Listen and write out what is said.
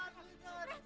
awak jangan begitu